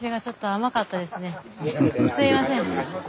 すいません。